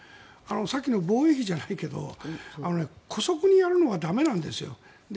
さっきの防衛費じゃないけど姑息にやるのは駄目なんですよ。